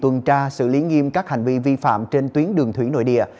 tuần tra xử lý nghiêm các hành vi vi phạm trên tuyến đường thủy nội địa